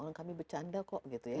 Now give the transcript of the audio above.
kalau kami bercanda kok gitu ya